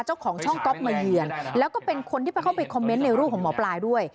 เจ้าของช่องก๊อฟมาเยือนแล้วก็เป็นคนที่เข้าไปคอมเมนต์ในรูปของหมอปลายด้วย